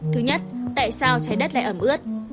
thứ nhất tại sao trái đất lại ẩm ướt